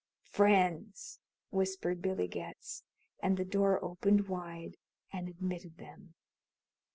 "Friends," whispered Billy Getz, and the door opened wide and admitted them.